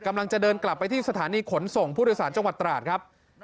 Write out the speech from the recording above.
กำลังจะเดินกลับไปที่สถานีขนส่งผู้โดยสารจังหวัดตราดครับ